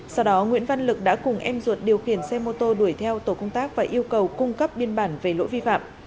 sau đó nguyễn văn lực đã cùng em ruột điều khiển xe mô tô đuổi theo tổ công tác và yêu cầu cung cấp biên bản về lỗi vi phạm